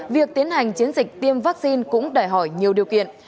việc tiến hành chiến dịch tiêm vaccine cũng đòi hỏi nhiều điều kiện